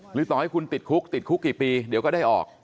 ต่อให้คุณติดคุกติดคุกกี่ปีเดี๋ยวก็ได้ออก